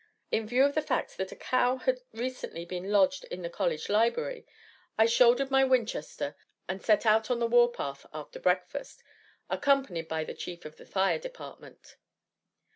In view of the fact that a cow had recently been lodged in the college library, I shouldered my Winchester and set out on the war path after breakfast, accompanied by the Chief of the Fire Department.